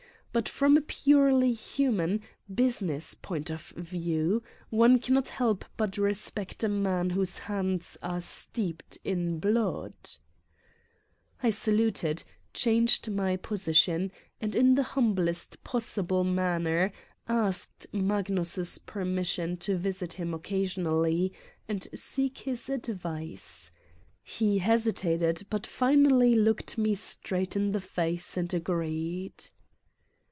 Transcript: But from a purely human, busi ness point of view, one cannot help but respect a man whose hands are steeped in blood ! I saluted, changed my position, and in the humblest posible manner, asked Magnus's per mission to visit him occasionally and seek his ad vice. He hesitated but finally looked me straight in the face and agreed.